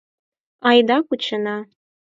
Айда кучена!